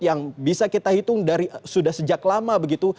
yang bisa kita hitung dari sudah sejak lama begitu